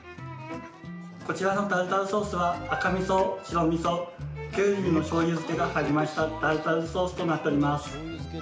こちらのタルタルソースは赤みそ、白みそ、きゅうりのしょうゆ漬けが入りましたタルタルソースとなっております。